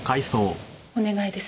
お願いです。